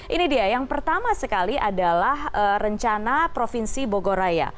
ini dia yang pertama sekali adalah rencana provinsi bogoraya